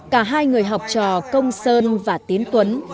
cả hai người học trò công sơn và tiến tuấn